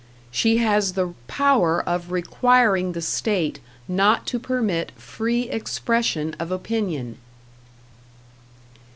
She has the power of requiring the state not to permit free expression of opinion.